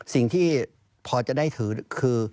สิ่งที่พอจะได้ถือคือ